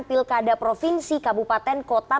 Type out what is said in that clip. pilkada provinsi kabupaten kota